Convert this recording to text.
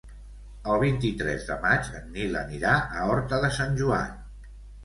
El vint-i-tres de maig en Nil anirà a Horta de Sant Joan.